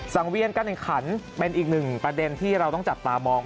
สังเวียนการแข่งขันเป็นอีกหนึ่งประเด็นที่เราต้องจับตามอง